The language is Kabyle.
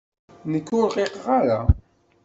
Nekk ur rqiqeɣ ara.